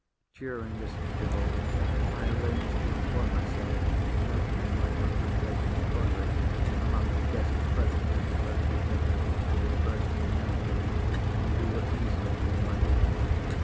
During this interval, I arranged to employ myself in opening my contemplated inquiry, among the guests present at the birthday dinner who were personally known to me, and who were easily within my reach.